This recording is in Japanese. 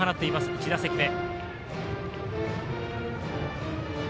１打席目。